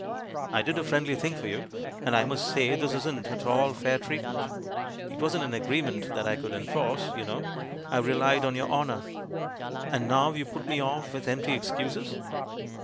I did a friendly thing for you, and I must say this isn't at all fair treatment. It wasn't an agreement that I could enforce, you know — I relied on your honour. And now you put me off with empty excuses."